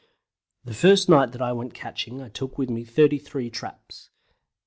The first night that I went catching I took with me 33 traps.